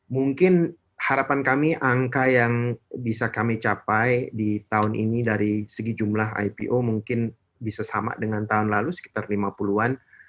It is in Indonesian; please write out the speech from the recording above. mungkin harapan kami angka yang bisa kami capai di tahun ini dari segi jumlah ipo mungkin bisa sama dengan tahun lalu sekitar lima puluh an